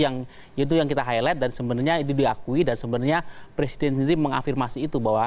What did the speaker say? yang itu yang kita highlight dan sebenarnya itu diakui dan sebenarnya presiden sendiri mengafirmasi itu bahwa